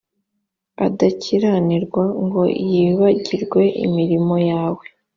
adakiranirwa ngo yibagirwe imirimo yawe